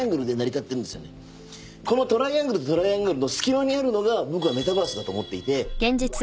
このトライアングルとトライアングルの隙間にあるのがメタバースだと思っていて。